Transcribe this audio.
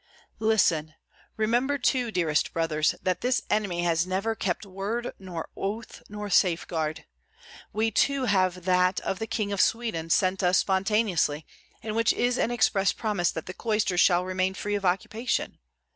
Listen; remember, too, dearest brothers, that this enemy has never kept word nor oath nor safeguard. We too have that of the King of Sweden sent us spontaneously, in which is an express promise that the cloister shall remain free of occupation.